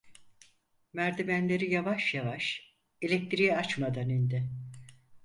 Merdivenleri yavaş yavaş, elektriği açmadan indi.